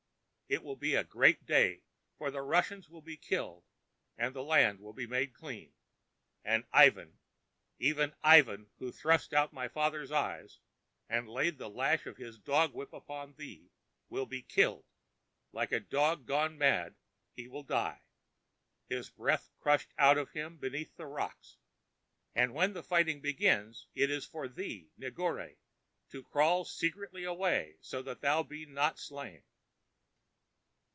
It will be a great day, for the Russians will be killed, the land will be made clean, and Ivan, even Ivan who thrust out my father's eyes and laid the lash of his dog whip upon thee, will be killed. Like a dog gone mad will he die, his breath crushed out of him beneath the rocks. And when the fighting begins, it is for thee, Negore, to crawl secretly away so that thou be not slain."